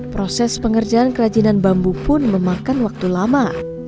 proses pengerjaan kerajinan bambu pun memakan waktu lama